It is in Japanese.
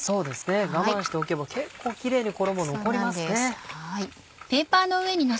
我慢しておけば結構キレイに衣残りますね。